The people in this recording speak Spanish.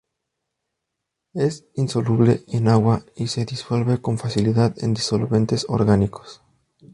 Es insoluble en agua y se disuelve con facilidad en disolventes orgánicos.